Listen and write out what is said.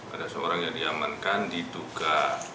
ada seorang yang diamankan diduga